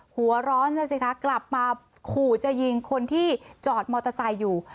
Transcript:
หัวร้อนนั่นสิคะกลับมาขู่จะยิงคนที่จอดมอเตอร์ไซค์อยู่